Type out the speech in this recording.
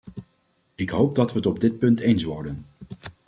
Ik hoop dat we het op dit punt eens worden.